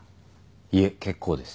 いえ結構です。